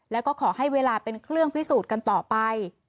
แล้วก็ขอให้เวลาเป็นเครื่องพิสูจน์กันต่อไป